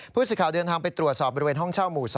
ผู้สื่อข่าวเดินทางไปตรวจสอบบริเวณห้องเช่าหมู่๒